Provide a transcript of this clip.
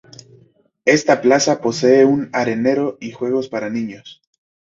Esta plaza posee un arenero y juegos para niños.